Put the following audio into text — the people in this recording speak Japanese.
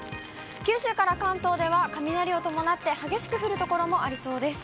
九州から関東では雷を伴って、激しく降る所もありそうです。